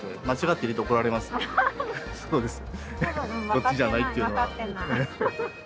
「そっちじゃない」っていうのは。